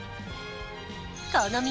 この道